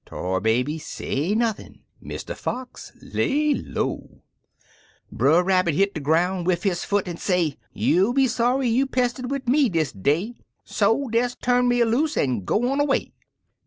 Tar Baby say nothin' — Mr. Fox lay low. Brer Rabbit hit de groun' wid his foot, an' say: " You'll be sorry you pestered wid me dis day^ So des turn me a loose an' go on away!